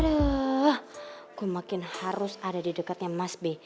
aduh makin harus ada di dekatnya mas b